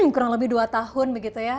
kurang lebih dua tahun begitu ya